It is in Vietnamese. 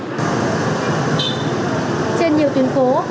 trên nhiều tuyến phố